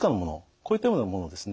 こういったようなものをですね